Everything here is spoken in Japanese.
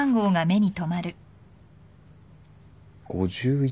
５１。